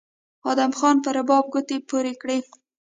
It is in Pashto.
ادم خان په رباب ګوتې پورې کړې